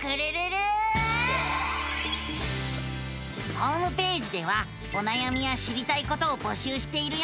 ホームページではおなやみや知りたいことを募集しているよ。